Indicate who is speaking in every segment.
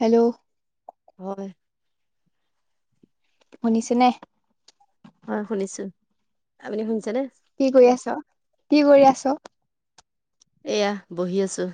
Speaker 1: Hello.
Speaker 2: হয়।
Speaker 1: শুনিছে নে?
Speaker 2: হয় শুনিছোঁ। আপুনি শুনিছে নে?
Speaker 1: কি কৰি আছ? কি কৰি আছ?
Speaker 2: এয়া বহি আছোঁ।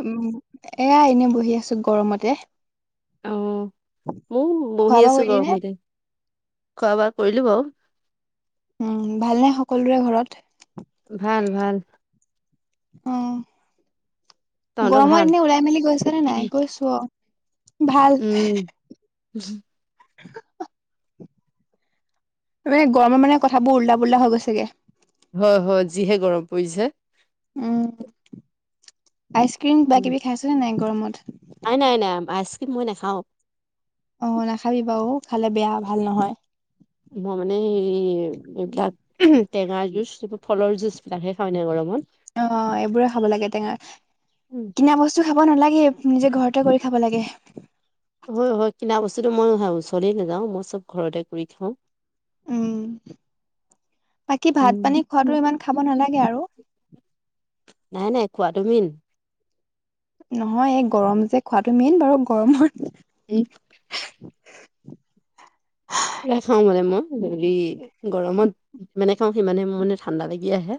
Speaker 1: উম এয়া এনে বহি আছোঁ গৰমতে।
Speaker 2: আহ মইও
Speaker 1: খোৱা
Speaker 2: বহি
Speaker 1: বোৱা
Speaker 2: আছোঁ
Speaker 1: কৰিলি নে?
Speaker 2: গৰমতে। খোৱা বোৱা কৰিলোঁ বাৰু।
Speaker 1: উম, ভালনে সকলোৰে ঘৰত?
Speaker 2: ভাল -ভাল।
Speaker 1: অহ,
Speaker 2: তহঁতৰ ভাল?
Speaker 1: গৰমৰ দিনে ওলাই মেলি গৈছে নে নাই? গৈছো ভাল।
Speaker 2: উম [unintelligible]
Speaker 1: মানে গৰমত মানে কথাবোৰ উল্টা পুল্টা হৈ গৈছেগে।
Speaker 2: হয়- হয় যিহে গৰম পৰিছে।
Speaker 1: উম আইচক্ৰীম বা কিবা
Speaker 2: উম,
Speaker 1: -কিবি খাইছেনে নাই গৰমত?
Speaker 2: নাই নাই নাই আইচক্ৰীম মই নেখাওঁ।
Speaker 1: অ', নাখাবি বাৰু খালে বেয়া, ভাল নহয়।
Speaker 2: মই মানে এই এইবিলাক টেঙা যুজ ফলৰ জুচবিলাকহে খাওঁ হে এনে গৰমত
Speaker 1: অহ, এইবোৰে খাব লাগে টেঙা
Speaker 2: উম
Speaker 1: কিনা বস্তু খাব নালাগে। নিজে ঘৰতে কৰি খাব লাগে।
Speaker 2: হয় -হয় কিনা বস্তুতটো মই ওচৰই নাযাও মই চব ঘৰতে কৰি খাওঁ।
Speaker 1: উম বাকী ভাত
Speaker 2: উম
Speaker 1: পানী খোৱাটো ইমান খাব নালাগে আৰু।
Speaker 2: খোৱা তু মেইন।
Speaker 1: নহয় এই গৰম যে খোৱাটো মেইন বাৰু গৰমত।
Speaker 2: এই এইয়া খাও মানে মই হৰি গৰমত। যিমানে খাওঁ সিমানে মোৰ মানে ঠাণ্ডা লাগি আহে।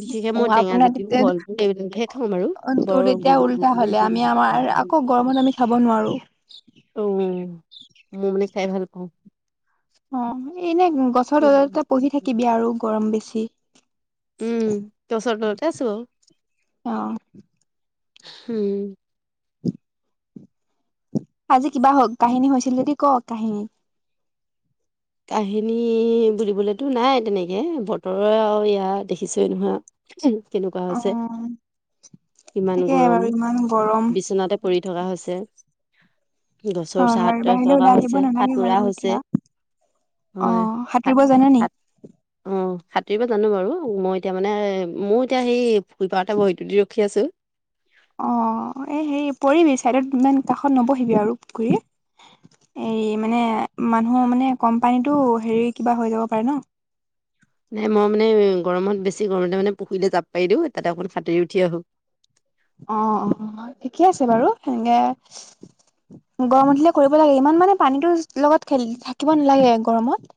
Speaker 2: বিশেষকে
Speaker 1: অ
Speaker 2: মই টেঙা
Speaker 1: আপোনাৰ
Speaker 2: জাতীয়
Speaker 1: তেতিয়া
Speaker 2: ফল [unintelligible] এইবিলাকহে খাওঁ আৰু
Speaker 1: তোৰ
Speaker 2: বৰ
Speaker 1: তেতিয়া উল্টা হলে আমি আমাৰ
Speaker 2: [unintelligible]
Speaker 1: আকৌ গৰমত আমি খাব নোৱাৰো।
Speaker 2: উম, মই মানে খাই ভাল পাওঁ।
Speaker 1: অহ, এনে গছৰ
Speaker 2: উম
Speaker 1: তলত বহি থাকিবি আৰু গৰম বেছি
Speaker 2: উম, গছৰ তলতে আছো।
Speaker 1: অ
Speaker 2: হম।
Speaker 1: আজি কিবা হওক কাহিনী হৈছিল যদি ক ' কাহিনী।
Speaker 2: কাহিনী বুলিবলেতো নাই তেনেকে বতৰৰে আৰু ইয়া দেখিছোৱে নহয় উম
Speaker 1: অহ
Speaker 2: কিমান গৰম
Speaker 1: গৰম
Speaker 2: বিচনাতে পৰি থকা হৈছে। গছৰ
Speaker 1: অহ,
Speaker 2: ছাঁত
Speaker 1: হয় বাহিৰলৈ
Speaker 2: থকা
Speaker 1: ওলাই আহিব
Speaker 2: হৈছে
Speaker 1: নালাগে
Speaker 2: সাঁতোৰা
Speaker 1: বাৰু
Speaker 2: হৈছে
Speaker 1: এতিয়া। অহ, সাঁতৰিব জানে নি?
Speaker 2: অহ, সাঁতুৰিব পৰা জানো বাৰু মই এতিয়া মানে মোৰ এতিয়া সেই ফুলপাৰতে বহি তু দি ৰখি আছো।
Speaker 1: অহ, এই হেৰি পৰিবি ছাইডত ইমান কাষত নবহিবি আৰু পুখুৰী এৰি মানে মানুহ মানে কোম্পানীতো হেৰি কিবা হৈ যাব পাৰে ন'
Speaker 2: নাই মই মানে গৰমত বেছি গৰমতে মানে পুখুৰীতে জাপ পাৰি দিওঁ তাতে অকণ সাতুৰী উঠি আহো।
Speaker 1: অহ - অহ ঠিকে আছে বাৰু সেনকে গৰম উঠিলে কৰিব লাগে ইমান মানে পানীতো লগত খেলি থাকিব নালাগে গৰমত।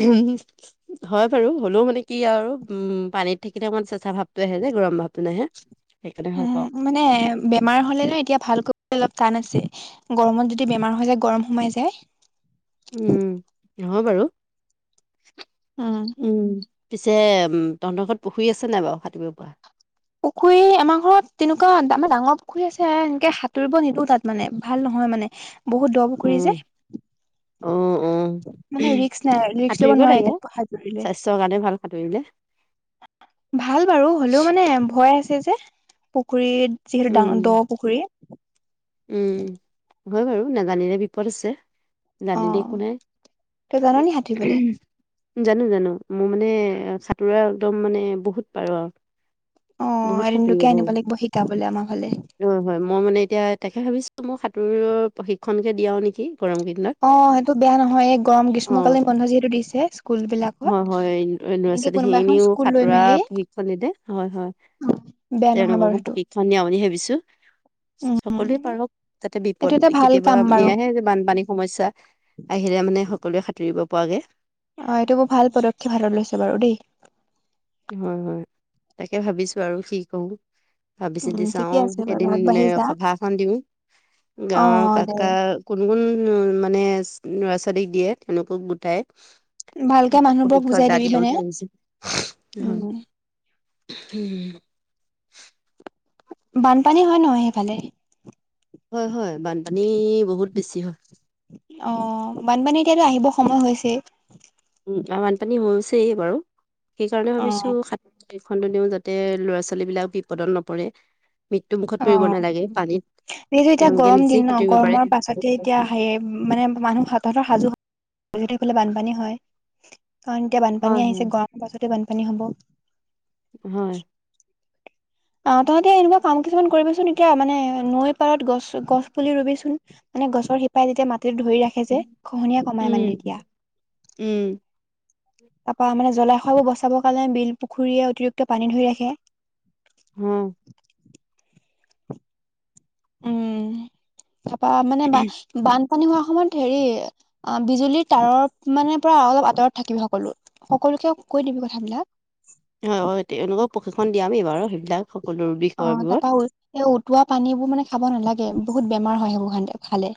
Speaker 2: হম, হয় বাৰু হ'লেও মানে কি আৰু আৰু উম পানীত থাকিলে অকণমান চেঁচা ভাৱটো আহে যে গৰম ভাৱটো নাহে। সেইকাৰণে ভাল পাওঁ
Speaker 1: হে মানে বেমাৰ হলে নে এতিয়া ভাল কৰিবলৈ অলপ টান আছে। গৰমত যদি বেমাৰ হৈ যায় গৰম সোমাই যায়
Speaker 2: উম, নহয় বাৰু [inaudible] উম। পিছে উম তহঁতৰ ঘৰত পুখুৰী আছে নাই বাৰু সাঁতুৰিব পৰা?
Speaker 1: পুখুৰী আমাৰ ঘৰত তেনেকুৱা আমাৰ ডাঙৰ পুখুৰী আছে এনেকে সাঁতুৰিব নিদো তাত মানে ভাল নহয়। হয় মানে বহুত দ পুখুৰী
Speaker 2: উম
Speaker 1: যে
Speaker 2: অ অ
Speaker 1: মানে ৰিক্স নাই ৰিক্স লব
Speaker 2: সাঁতুৰিব
Speaker 1: নোৱাৰে
Speaker 2: লাগে
Speaker 1: তাত সাঁতুৰিলে
Speaker 2: স্বাস্থ্যৰ কাৰণে ভাল সাঁতুৰিলে
Speaker 1: ভাল বাৰু হলেও মানে ভয় আছে যে পুখুৰীত যিহেতু ডাঙৰ দ
Speaker 2: উম
Speaker 1: পুখুৰী।
Speaker 2: উম উ উ হুম উ উ নেজানিলে বিপদ আছে।
Speaker 1: অ
Speaker 2: জানি দেই একো নাই
Speaker 1: তই জান
Speaker 2: উম উমহু
Speaker 1: নি
Speaker 2: হু
Speaker 1: সাঁতুৰিবলে
Speaker 2: হু জানো জানো মোৰ মানে সাঁতোৰা একদম মানে বহুত পাৰো আৰু
Speaker 1: অ
Speaker 2: বহুত
Speaker 1: এদিন
Speaker 2: সাঁতুৰিব
Speaker 1: তোকে
Speaker 2: পাৰো।
Speaker 1: আনিব লাগিব শিকাবলে আমাৰ ফালে
Speaker 2: অ হয় মই মানে এতিয়া তেখেত ভাবিছোঁ মোক সাঁতোৰৰ প্ৰশিক্ষণকে দিয়াও নেকি গৰম কেইদিনত।
Speaker 1: অ, সেইটো বেয়া নহয় এই গৰম
Speaker 2: অ
Speaker 1: গ্ৰীষ্মকালীন বন্ধ যিহেতু দিছে স্কুল বিলাকত
Speaker 2: হয় হয়, এ ইন
Speaker 1: এনেকে
Speaker 2: ইউনিভাৰ্চিটি সি
Speaker 1: কোনোবা এখন
Speaker 2: এনেও
Speaker 1: স্কুল লৈ
Speaker 2: সাঁতোৰা
Speaker 1: মেলি
Speaker 2: প্ৰশিক্ষণ নিদে হয় হয়।
Speaker 1: বেয়া নহয় বাৰু
Speaker 2: তেওঁলোককো
Speaker 1: সেইটো
Speaker 2: প্ৰশিক্ষণ নিয়া বুলি ভাবিছো।
Speaker 1: উম
Speaker 2: সকলোৱে পাৰক যাতে
Speaker 1: এইটো
Speaker 2: বিপদ
Speaker 1: এটা
Speaker 2: এ
Speaker 1: ভাল
Speaker 2: কেতিয়াবা
Speaker 1: কাম বাৰু
Speaker 2: এয়াহে যে বানপানীৰ সমস্যা আহিলে মানে সকলোৱে সাঁতুৰিব পৰাগে
Speaker 1: অহ, এইটো বৰ ভাল পদক্ষেপ হাতত লৈছে বাৰু দেই
Speaker 2: হুম হুম, তাকে ভাবিছো আৰু কি কৰো
Speaker 1: উম
Speaker 2: ভাবি-চিতি
Speaker 1: ঠিকে
Speaker 2: চাওঁ
Speaker 1: আছে বাৰু
Speaker 2: এদিন
Speaker 1: আগবাঢ়ি
Speaker 2: এ
Speaker 1: যা
Speaker 2: সভা এখন দিও।
Speaker 1: অ
Speaker 2: গাঁৱৰ
Speaker 1: দে
Speaker 2: কাকা কোন কোন মোৰ মানে ল'ৰা-ছোৱালীক দিয়ে তেওঁলোকক গোটাই।
Speaker 1: ভালকে মানুহবোৰক
Speaker 2: প্ৰশিক্ষণ
Speaker 1: বুজাই
Speaker 2: এটা
Speaker 1: দিবি
Speaker 2: দিও
Speaker 1: মানে
Speaker 2: বুলি ভাবিছো
Speaker 1: উম উ উহ
Speaker 2: ঠিস উম হু হু উস্
Speaker 1: বানপানী হয় নহয় সেইফালে
Speaker 2: হয় হয়, বানপানী বহুত বেছি হয়।
Speaker 1: অ অ অ, বানপানী এতিয়াতো আহিব সময় হৈছেই
Speaker 2: উম, এয়া বানপানী হৈছেই বাৰু সেইকাৰণে
Speaker 1: অ
Speaker 2: ভাবিছো সাত ফোনটো দিও যাতে ল'ৰা-ছোৱালী বিলাক বিপদত নপৰে। মৃত্যু
Speaker 1: অ
Speaker 2: মুুখত পৰিব নেলাগে পানীত
Speaker 1: যিহেতু এতিয়া
Speaker 2: তেওঁলোকে
Speaker 1: গৰম
Speaker 2: নিজেই
Speaker 1: দিন ন
Speaker 2: সাঁতুৰিব পাৰে
Speaker 1: গৰমৰ পাছতে এতিয়া হে মানে মানুহ হাত-হতৰ সাজু হ সিহঁতৰ ফালে বানপানী হয় কাৰণ এতিয়া
Speaker 2: হয়
Speaker 1: বানপানী
Speaker 2: হয়
Speaker 1: আহিছে গৰমৰ পাছতে বানপান পানী হ'ব।
Speaker 2: হয়।
Speaker 1: অহ, তহঁতি এনেকুৱা কাম কিছুমান কৰিবিচোন এতিয়া মানে নৈৰ পাৰত গছ গছ পুলি ৰুবিচোন মানে গছৰ শিপাই যেতিয়া মাট তেওঁ ধৰি ৰাখে যে খহনীয়া কমাই মানে এতিয়া
Speaker 2: উম উম
Speaker 1: তাৰপৰা মানে জলাশয়বোৰ বচাবৰ কাৰণে বিল পুখুৰীয়ে অতিৰিক্ত পানী ধৰি ৰাখে।
Speaker 2: হুম।
Speaker 1: উমহ হু তাৰপৰা মানে বা বান পানী হোৱাৰ সময়ত হেৰি অ বিজুলীৰ তাৰত মানে পৰা অলপ আঁতৰত থাকিবি সকলো সকলো সকলোকে কৈ দিবি কথাবিলাক।
Speaker 2: হয় তেওঁলোকক প্ৰশিক্ষণ দিয়ামেই বাৰু সেইবিলাক সকলো
Speaker 1: অ,
Speaker 2: বিষয়বোৰত
Speaker 1: তাৰপৰা উটোৱা পানী বোৰ মানে খাব নেলাগে। বহুত বেমাৰ হয় সেইবোৰ সন্দেহত খালে।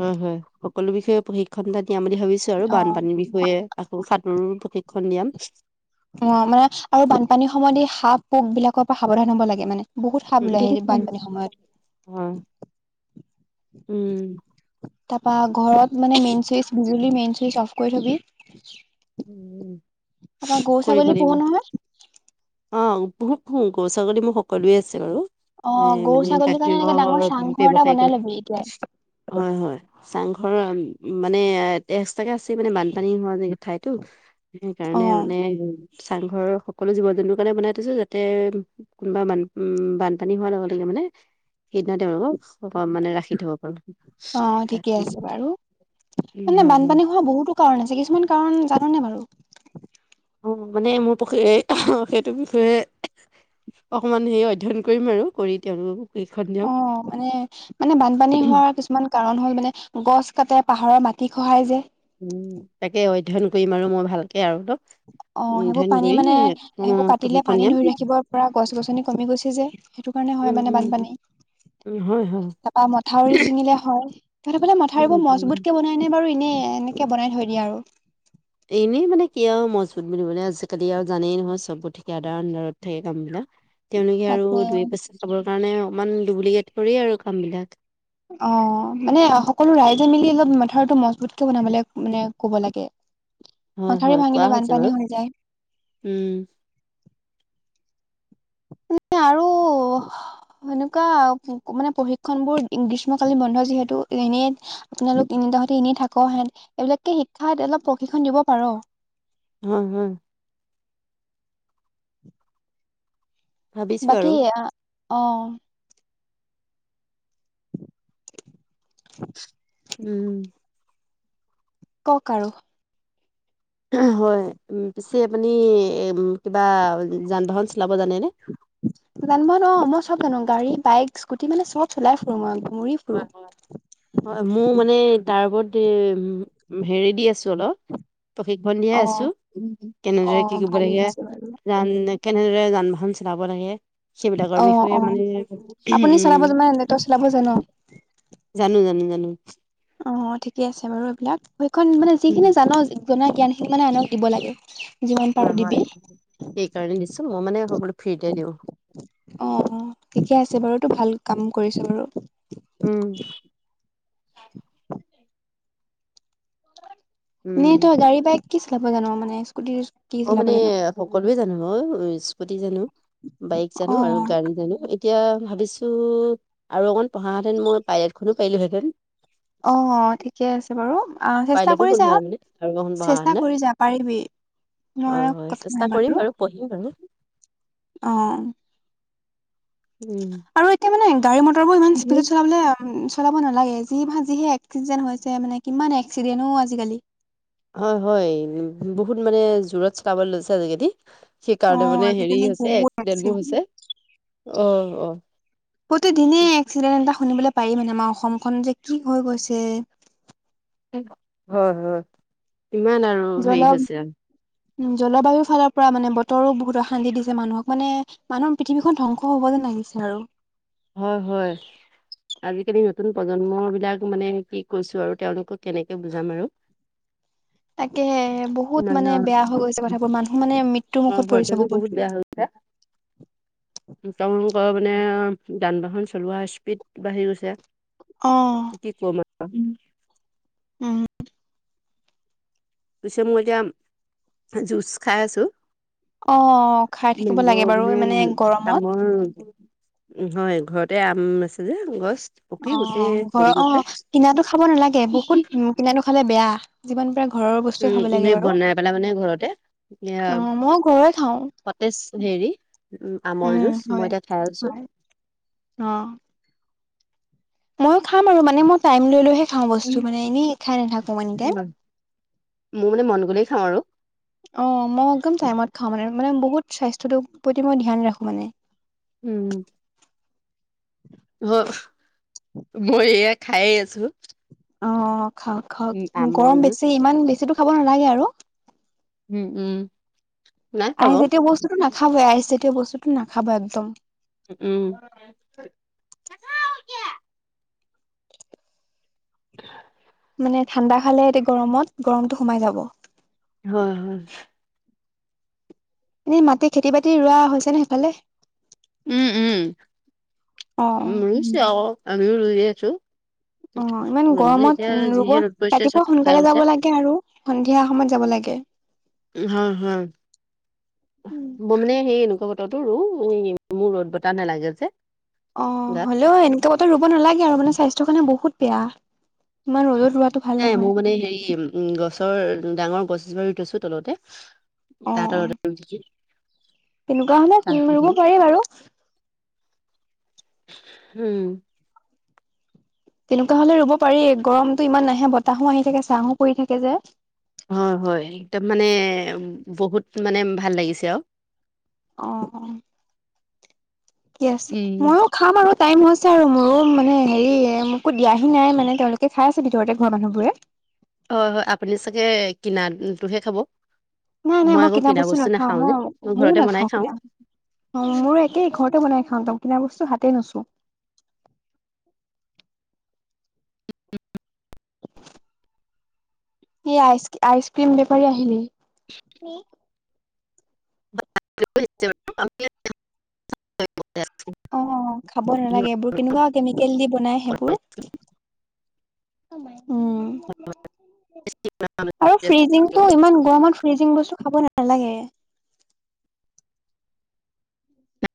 Speaker 2: হয় হয়, সকলো বিষয়ে প্ৰশিক্ষন এটা দিয়াম বুলি ভাবিছো আৰু
Speaker 1: অ
Speaker 2: বানপানীৰ বিষয়ে আ সাঁতোৰৰ প্ৰশিক্ষণ দিয়াম ছি ছিই
Speaker 1: অ, মানে আৰু বানপানীৰ সময়ত এই সাঁপ, পোক বিলাকৰ পৰা সাৱধান হ'ব লাগে মানে বহুত সাঁপ ওলাই হেৰি বানপানীৰ
Speaker 2: হয়
Speaker 1: সময়ত
Speaker 2: উম
Speaker 1: তাৰপৰা ঘৰত মানে মেইন চুইচ বো বিয়লি মেইন চুইচ অফ কৰি থবি চিচি চিয়া
Speaker 2: উম উ উস্ কৰিব
Speaker 1: ছাগলী
Speaker 2: লাগিব
Speaker 1: পোহো নহয়
Speaker 2: অ উহ উহ গৰু-ছাগলী মোৰ সকলোৱে আছে বাৰু
Speaker 1: অ
Speaker 2: অই এই
Speaker 1: গৰু
Speaker 2: মানে
Speaker 1: ছাগলীৰ কাৰণে
Speaker 2: গাখীৰৰ
Speaker 1: এনেকে ডাঙৰ
Speaker 2: ব্যৱসায়
Speaker 1: চাংঘৰ এটা
Speaker 2: হোটেলতে
Speaker 1: বনাই
Speaker 2: এইখিনি
Speaker 1: লবি এতিয়াই
Speaker 2: সিস্ কৰা হয়। চাংঘৰ আম মানে ইয়াত এক্সট্ৰাকে আছে মানে বানপানী হোৱা ঠাইতো।
Speaker 1: অ
Speaker 2: সেইকাৰণে মানে এ এই হুম। চাংঘৰৰ সকলো জীৱ-জন্তুৰ কাৰণে বনাই থৈছো যাতে উমহ্ কোনোবা বান উম উ উ বানপানী হোৱাৰ লগতে কিবা। মানে সেইদিনা তেওঁলোকক অ মানে ৰাখি থব পাৰো।
Speaker 1: অ ঠিকে
Speaker 2: তাত
Speaker 1: আছে বাৰু,
Speaker 2: উম,
Speaker 1: মানে
Speaker 2: হয়, হয়।
Speaker 1: বানপানী হোৱা বহুতো কাৰণ আছে কিছুমান। কাৰণ জানোনে বাৰু?
Speaker 2: অ মানে মোৰ পখী সেইটো বিষয়ে। অকমান হেৰি অধ্যয়ন কৰিম আৰু কৰি তেওঁলোকক।
Speaker 1: অ মানে মানে বানপানী হোৱাৰ কিছুমান কাৰণ হ'ল মানে গছ কাটে পাহ। ঘৰৰ মাটি খহাই যে।
Speaker 2: উম তাকে অধ্যয়ন কৰিম আৰু মই ভালকে আৰু ন।
Speaker 1: অ সেইবোৰ পানী মানে সেইবোৰ কাটিলে
Speaker 2: প্ৰশিক্ষণ
Speaker 1: পানী
Speaker 2: দিয়াম।
Speaker 1: ধৰি ৰাখিব পৰা গছ গছনি কমি গৈছে। যে সেইটো কাৰণে হয়
Speaker 2: উম,
Speaker 1: মানে
Speaker 2: উম,
Speaker 1: বানপানী।
Speaker 2: উম, হয় হয়
Speaker 1: তাৰাপা মথাউৰি ছিঙিলে হয় তহঁতৰ ফালে
Speaker 2: উম,
Speaker 1: মথাউৰিবোৰ মজবুত
Speaker 2: উম।
Speaker 1: কে বনাই নে বাৰু এনে এনেকে বনাই থই। ইয়াৰো।
Speaker 2: এনেই মানে কি আৰু মজবুত বুলিবলে আজিকালি আৰু জানেই নহয় চবত ঠিকাদাৰ আন্দাৰত থাকে কাম বিলাক। তেওঁলোকে আৰু
Speaker 1: তাকে
Speaker 2: দুই এ পিচ খাবলে কাৰণে অকমান দুব্লিকেত কৰি আৰু কাম বিলাক।
Speaker 1: অ মানে সকলো ৰাইজে মিলি অলপ মথউতটো মজবুত। বনাবলে মানে ক'ব লাগে।
Speaker 2: হয়,
Speaker 1: পঠাৰ
Speaker 2: হয়, কোৱা
Speaker 1: ভাঙিলে
Speaker 2: হৈছে বাৰু।
Speaker 1: বানপানী হৈ যায়।
Speaker 2: উম,
Speaker 1: মানে আৰু। সনেকুৱা আৰু মানে প্ৰশিক্ষন বোৰ গ্ৰীষ্ম কালীন বন্ধ যিহেতু এনে আপোনালোক। দাহেটি এনে থাক হেন এইবিলাককে শিক্ষাত অলপ প্ৰশিক্ষণ দিব পাৰ।
Speaker 2: হুম হুম। ভাবিছোঁ আৰু
Speaker 1: বাকী অ।
Speaker 2: উম।
Speaker 1: কওক আৰু?
Speaker 2: হয় উ পিছে আপুনি কিবা যান বাহন। চলাব জানেনে?
Speaker 1: জান বাহন অ মই চব জানো গাড়ী বাইক স্কুটি মানে চব চলাই ফুৰো মই। ঘূৰি ফুৰো
Speaker 2: হয় মোৰ মানে তাৰ ওপৰত। ক্ৰিম হেৰি দি আছো অলপ। প্ৰশিক্ষণ দিয়ে
Speaker 1: অ
Speaker 2: আছো
Speaker 1: অ
Speaker 2: কেনেদৰে কি কৰিব
Speaker 1: ভালেই
Speaker 2: লাগে
Speaker 1: হৈছে বাৰু
Speaker 2: ৰান নেকে। এনেদৰে যান বাহন চলাব লাগে।
Speaker 1: অ
Speaker 2: সেইবিলাকৰ বিষয়ে
Speaker 1: অ
Speaker 2: মানে উম।
Speaker 1: অ।
Speaker 2: জানো জানো জানো।
Speaker 1: অ ঠিকে আছে বাৰু এইবিলাক সেইখন মানে
Speaker 2: উম,
Speaker 1: যিখিনি জান জনাই। গীয়ান খিনি মানে আনক দিব লাগে। যিমান পাৰো
Speaker 2: হয় হয়
Speaker 1: দিবি
Speaker 2: সেইকাৰণে দিছো মই মানে সকলো ফ্ৰীতে দিওঁ।
Speaker 1: অ ঠিকে আছে বাৰু তো ভাল কাম কৰিছ বাৰু।
Speaker 2: উম। উম,
Speaker 1: এনে তই গাড়ী বাইক কি চলাব জান মানে স্কুটি। কি
Speaker 2: অ
Speaker 1: চলাব
Speaker 2: মানে
Speaker 1: জান
Speaker 2: সকলোৱে জানো অ স্কুটি জানো। বাইক
Speaker 1: অ
Speaker 2: জানো আৰু গাড়ী জানো। এতিয়া ভাবিছো আৰু অকন পঢ়াহেতেন মই পাইলেটখনো পাৰিলোহেতেন।
Speaker 1: অ ঠিকে আছে বাৰু। অ চেষ্টা
Speaker 2: পাইলতো
Speaker 1: কৰি যা
Speaker 2: হ'লোহেঁতেন মানে আৰু অকণ
Speaker 1: চেষ্টা
Speaker 2: পঢ়াহেঁতেন
Speaker 1: কৰি যা পাৰিবি। নোৱাৰা
Speaker 2: হয় হয় চেষ্টা কৰিম বাৰু পঢ়িম বাৰু।
Speaker 1: অহ
Speaker 2: উম
Speaker 1: আৰু এতিয়া মানে গাড়ী মটৰ বোৰ ইমান স্পীডত চলাবলে চলাব নালাগে যি ভা যিহে এক্সিডেণ্ট হৈছে মানে কিমান এক্সিডেণ্ট ঔ আজিকালি।
Speaker 2: হয় হয় বহুত মানে জোৰত চলাব লৈছে আজিকালি।
Speaker 1: অ
Speaker 2: সেইকাৰণে মানে হেৰি
Speaker 1: আজিকালি
Speaker 2: হৈছে
Speaker 1: বহুত
Speaker 2: এক্সিডেন্ট বোৰ হৈছে।
Speaker 1: এক্সিডেণ্ট
Speaker 2: অহ
Speaker 1: প্ৰতিদিনে
Speaker 2: অহ
Speaker 1: এক্সিডেণ্ট এটা শুনিবলৈ পাৰিম মানে আমাৰ অসমখন যে কি হৈ গৈছে
Speaker 2: হয় হয়। ইমান আৰু
Speaker 1: জল
Speaker 2: হেৰি হৈছে
Speaker 1: জলবায়ুৰ ফালৰ পৰা মানে তৰো বহুত অশান্তি দিছে মানুহক মানে মানুহৰ পৃথিৱীখন ধ্বংস হ'ব যেন লাগিছে আৰু
Speaker 2: হয় হয়। আজিকালি নতুন প্ৰজন্ম বিলাক মানে কি কৈছোঁ আৰু তেওঁলোকক কেনেকে বুজাম আৰু
Speaker 1: [unintelligible] তাকে বহুত
Speaker 2: ইমান
Speaker 1: মানে বেয়া হৈ গৈছে কথাবোৰ মানুহ মানে মৃত্যুৰ মুখত পৰিছে বহুত।
Speaker 2: হ [unintelligible]
Speaker 1: [unintelligible]
Speaker 2: ক মানে যান বাহন চলোৱা স্পীড বাঢ়ি গৈছে।
Speaker 1: অহ।
Speaker 2: উম।
Speaker 1: উম
Speaker 2: পিছে মই এতিয়া জুচ খাই আছোঁ।
Speaker 1: অ খাই থাকিব
Speaker 2: মেংগ
Speaker 1: লাগে বাৰু
Speaker 2: মানে
Speaker 1: গৰমত
Speaker 2: আমৰ হয় ঘৰতে আম আছে যে গছ পকি
Speaker 1: অ
Speaker 2: গোটেই
Speaker 1: ঘৰ
Speaker 2: পৰি
Speaker 1: অ
Speaker 2: গৈছে
Speaker 1: কিনাটো খাব নালাগে বহুত উ কিনাটো খালে বেয়া যিমান পাৰা
Speaker 2: উম এনেই বনাই পেলাই মানে ঘৰতে এ
Speaker 1: অ মই ঘৰৰে খাওঁ
Speaker 2: সতেজ হেৰি উ আমৰ
Speaker 1: উম
Speaker 2: জুচ মই
Speaker 1: হয়
Speaker 2: এতিয়া খাই আছোঁ।
Speaker 1: হয় মইও খাম আৰু মানে মই টাইম লৈ লৈহে খাওঁ বস্তু মানে এনেই খাই নাথাকোঁ এনি টাইম
Speaker 2: মোৰ মানে মন গ'লেই খাওঁ আৰু
Speaker 1: ‍ বহুত টাইমত খাওঁ মানে মানে বহুত কা প্ৰতি মই ধ্যান ৰাখো মানে
Speaker 2: উম- অ মই এয়া খায়ে আছো-
Speaker 1: অ খাওক খাওক গৰম
Speaker 2: জুচ
Speaker 1: বেছি ইমান বেছি টো খাব নালাগে আৰু
Speaker 2: উম উম নাই খোৱা বাৰু
Speaker 1: আইজাতীয় বস্তুতটো নাখাব আইজাতীয় বস্তুটো নাখাব একদম
Speaker 2: উম [unintelligible]
Speaker 1: মানে ঠাণ্ডা খালে এতিয়া গৰমত গৰমটো সোমাই যাব
Speaker 2: হয় হয়
Speaker 1: এনে মাটি খেতি বাতি ৰোৱা হৈছে নে সেইফালে?
Speaker 2: উম
Speaker 1: অ
Speaker 2: উম ৰুইছে আৰু আমি ও ৰুইয়ে আছো
Speaker 1: অ ইমান
Speaker 2: ৰুবলৈ এতিয়া
Speaker 1: গৰমত ৰুব
Speaker 2: যিহে ৰ'দ পৰিছে চব
Speaker 1: ৰাতিপুৱা
Speaker 2: শুকাই
Speaker 1: সোনকালে
Speaker 2: গৈছে।
Speaker 1: যাব লাগে আৰু সন্ধিয়া সময়ত যাব লাগে
Speaker 2: হয় হয় ব মানে সেই এনেকুৱা বতৰ ৰতো ৰো উ মোৰ ৰ'দ বতাহ নালাগে যে
Speaker 1: অ
Speaker 2: গাত।
Speaker 1: হ'লেও এনেকে বতৰত ৰুব নালাগে আৰু মানে স্বাস্থ্য কাৰণে বহুত বেয়া ইমান ৰ'দত ৰোৱাটো ভাল
Speaker 2: নাই
Speaker 1: নহয়
Speaker 2: মোৰ মানে হেৰি উ গছৰ ডাঙৰ গছ ৰুই থৈছো তলতে
Speaker 1: অ
Speaker 2: তাৰ
Speaker 1: অ
Speaker 2: তলতে ৰুই থৈছো।
Speaker 1: তেনেকুৱা
Speaker 2: চাহ
Speaker 1: হলে
Speaker 2: দি দিম।
Speaker 1: ৰুব পাৰি বাৰু
Speaker 2: উম
Speaker 1: তেনেকুৱা হলে ৰুব পাৰি গৰমটো ইমান নাহে বতাহো আহি থাকে ছাঁহো পৰি থাকে যে
Speaker 2: হয় হয় একদম মানে বহুত মানে ভাল লাগিছে আৰু
Speaker 1: অ- কি আছে
Speaker 2: উম।
Speaker 1: ময়ো খাম আৰু টাইম হৈছে আৰু মোৰো মানে হেৰি একো দিয়াহি নাই মানে তেওঁলোকে খাই আছে ভিতৰতে ঘৰৰ মানুহবোৰে
Speaker 2: হয় হয় আপুনি চাগে কিনাটোহে খাব?
Speaker 1: নাই নাই মই কিনা বস্তু নাখাও মই ময়ো নাখাওঁ কিনা। অ মোৰো একেই ঘৰতে বনাই। একদম কিনা বস্তু হাতেই নুচো। এই আইচক্ৰীম বেপাৰী আহিলে।
Speaker 2: [unintelligible]
Speaker 1: অঁ খাব নালাগে এইবোৰ কেনেকুৱা কেমিকেল দি বনাই সেইবোৰ। উম। আৰু ফ্ৰিজিংটো ইমান গৰমত ফ্ৰিজিং বস্তু খাব নালাগে।